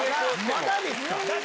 まだですか。